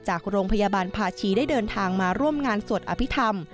จากโรงพยาบาลภาชีได้เดินทางมาร่วมงานสวดอภิษฐรรม